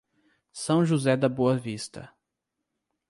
São José da Boa Vista